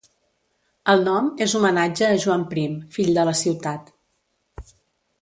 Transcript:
El nom és homenatge a Joan Prim, fill de la ciutat.